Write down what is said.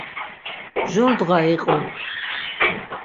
Jur ndğa iqu.